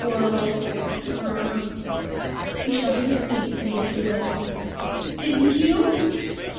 "Well, er " He shuffled his feet and looked away. "Didn't you?"